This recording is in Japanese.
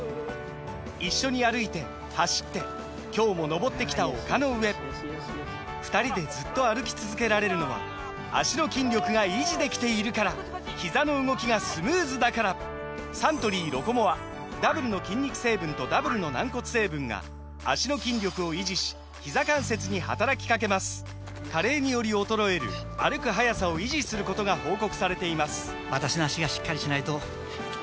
一緒に歩いて走って今日も登ってきた丘の上２人でずっと歩き続けられるのは脚の筋力が維持できているからひざの動きがスムーズだからサントリー「ロコモア」ダブルの筋肉成分とダブルの軟骨成分が脚の筋力を維持しひざ関節に働きかけます加齢により衰える歩く速さを維持することが報告されています